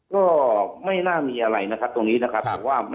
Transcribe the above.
ก็ไม่น่ามีอะไรนะครับตรงนี้นะครับ